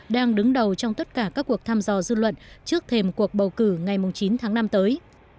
đang đứng đầu trong tất cả các cuộc thăm dò dư luận trước thềm cuộc bầu cử ngày chín tháng năm tới